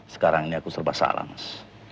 sekarang ini aku serba salah mas